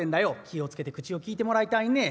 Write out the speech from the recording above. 「気を付けて口をきいてもらいたいね。